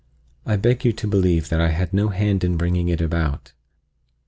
I beg you to believe that I had no hand in bringing it about.